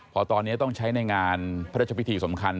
พอตอนนี้ต้องใช้ในงานพระราชพิธีสำคัญ